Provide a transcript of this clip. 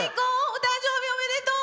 お誕生日おめでとう！